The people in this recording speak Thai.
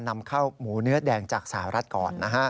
นำเข้าหมูเนื้อแดงจากสหรัฐกรณ์นะฮะ